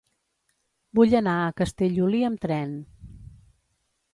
Vull anar a Castellolí amb tren.